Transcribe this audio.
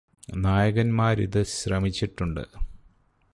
നായകന്മാർ ഇത് ശ്രമിച്ചിട്ടുണ്ട്